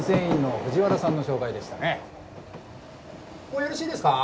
もうよろしいですか？